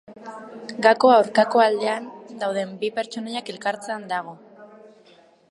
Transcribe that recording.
Gakoa aurkako aldean dauden bi pertsonaiak elkartzean dago.